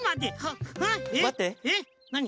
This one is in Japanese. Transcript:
えっなに？